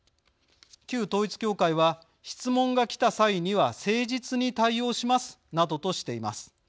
旧統一教会は「質問が来た際には誠実に対応します」などとしています。